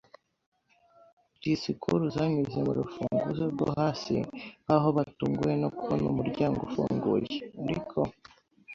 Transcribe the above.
disikuru zanyuze mu rufunguzo rwo hasi, nkaho batunguwe no kubona umuryango ufunguye. Ariko